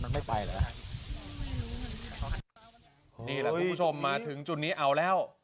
นี่ล่ะคุณผู้ชมมาถึงจุดนี้เอาแล้ว